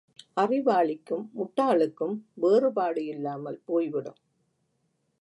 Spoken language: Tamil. அறிவாளிக்கும் முட்டாளுக்கும் வேறுபாடு இல்லாமல் போய்விடும்.